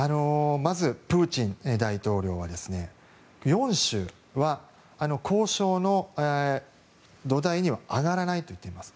まずプーチン大統領は４州は交渉の土台には上がらないと言っています。